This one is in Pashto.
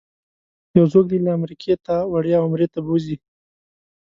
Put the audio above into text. یو څوک دې له امریکې تا وړیا عمرې ته بوځي.